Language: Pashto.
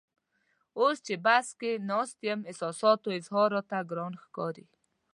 اوس چې بس کې ناست یم احساساتو اظهار راته ګران ښکاري.